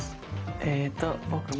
えっと僕も。